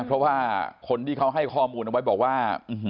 เพราะว่าคนที่เขาให้ข้อมูลเอาไว้บอกว่า